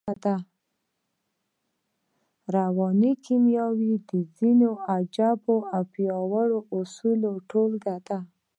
رواني کيميا د ځينو عجييو او پياوړو اصولو ټولګه ده.